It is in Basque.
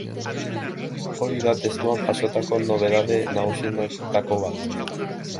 Hori da testuan jasotako nobedade nagusienetako bat.